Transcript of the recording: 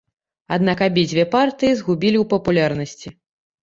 Аднак абедзве партыі згубілі ў папулярнасці.